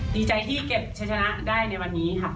แนนสูงสุดท้ายที่บราซิลครับ